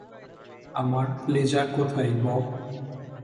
আমার লেজার কোথায়, বব?